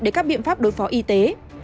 để các biện pháp đối phó y tế